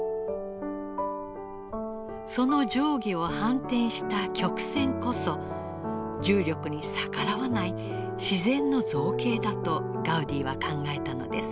その上下を反転した曲線こそ重力に逆らわない自然の造形だとガウディは考えたのです。